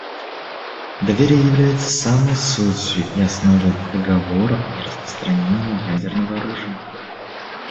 Доверие является самой сутью и основой Договора о нераспространении ядерного оружия.